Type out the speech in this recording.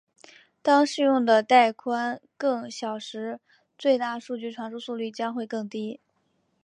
当适用的带宽更小时最大数据传输速率将会更低。